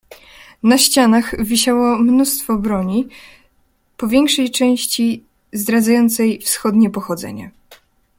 "Na ścianach wisiało mnóstwo broni, po większej części zdradzającej wschodnie pochodzenie."